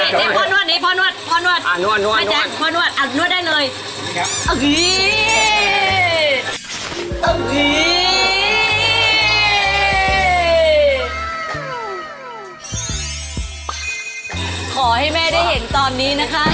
ขอให้แม่ได้เห็นตอนนี้นะคะ